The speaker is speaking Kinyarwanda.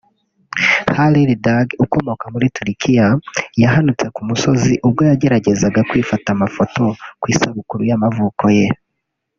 Halil Dag ukomoka muri Turkey yahanutse ku musozi ubwo yageragezaga kwifata amafoto ku isabukuru y’amavuko ye